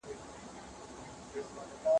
ډاکټر صیب، د لوړ ږغ سره دا پاڼه ړنګه کړه.